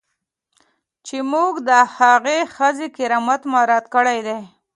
چې موږ د هغې ښځې کرامت مراعات کړی دی.